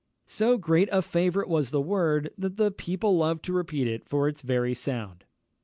So great a favourite was the word, that people loved to repeat it for its very sound.